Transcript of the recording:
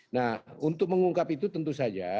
nah untuk mengungkap itu tentu saja